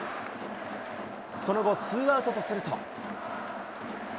その後、ツーアウトとすると。